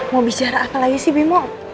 mau bicara apa lagi sih bimo